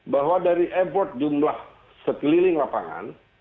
bahwa dari e board jumlah sekeliling lapangan